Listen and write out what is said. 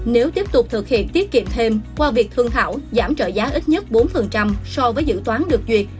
nếu tiếp tục thực hiện tiết kiệm thêm qua việc thương thảo giảm trợ giá ít nhất bốn so với dự toán được duyệt